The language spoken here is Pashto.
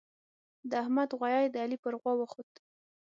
د احمد غويی د علي پر غوا وخوت.